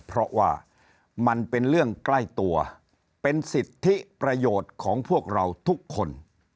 เพราะว่ามันเป็นเรื่องใกล้ตัวเป็นสิทธิประโยชน์ของพวกเราทุกคน